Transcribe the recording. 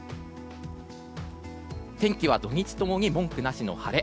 天気は土日ともに文句なしの晴れ。